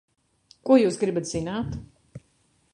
Ko jūs gribat zināt?